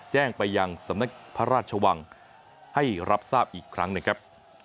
แจ้งไปยังสำนักพระราชวังให้รับทราบอีกครั้งหนึ่งครับ